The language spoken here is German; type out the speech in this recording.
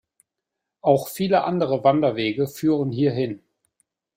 Auch viele andere Wanderwege führen hierhin.